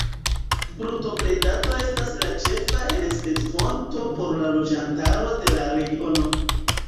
Brutobredado estas la ĉefa enspezofonto por la loĝantaro de la regiono.